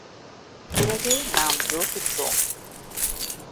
பிறகே நாம் யோசித்தோம்.